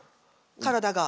体が。